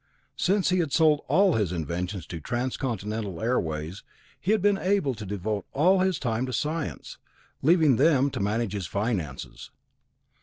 Since he had sold all his inventions to Transcontinental Airways, he had been able to devote all his time to science, leaving them to manage his finances.